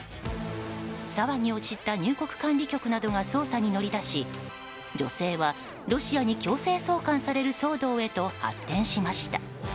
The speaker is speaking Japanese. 騒ぎを知った入国管理局などが捜査に乗り出し女性はロシアに強制送還される騒動へと発展しました。